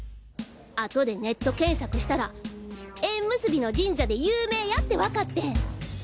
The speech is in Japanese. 後でネット検索したら縁結びの神社で有名やってわかってん！